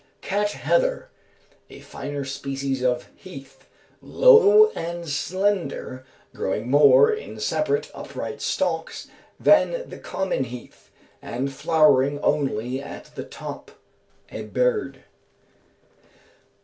Cat heather. A finer species of heath, low and slender, growing more in separate, upright stalks than the common heath, and flowering only at the top (_Aberd.